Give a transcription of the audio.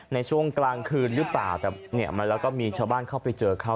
ในช่วงกลางคืนหรือเปล่าแล้วก็มีชาวบ้านเข้าไปเจอเขา